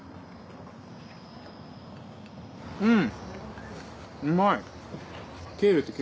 うん。